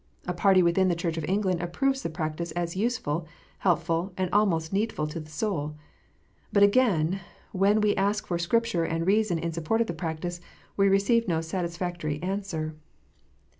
A party within the Church of England approves the practice as useful, helpful, and almost needful to the soul. But, again, when we ask for Scripture and reason in support of the practice, we receive no satisfactory answer.